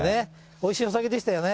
おいしいお酒でしたよね。